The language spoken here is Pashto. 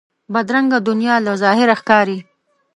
بدرنګه دنیا له ظاهره ښکاري